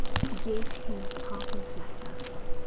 He gave him the parson's letter.